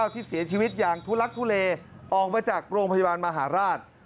ที่เสียชีวิตอย่างทุลักทุเลออกมาจากโรงพยาบาลมหาราช